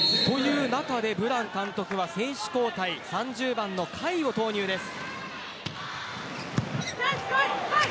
ブラン監督は選手交代３０番の甲斐を投入です。